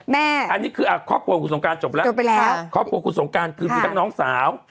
นี่คือครอบครัวคุณสงการจบแล้วจบไปแล้วครอบครัวคุณสงการคือมีทั้งน้องสาว